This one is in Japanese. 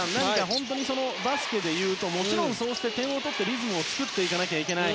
本当にバスケでいうともちろん、そうして点を取ってリズムを作らなければいけない。